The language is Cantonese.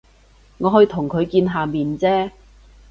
我去同佢見下面啫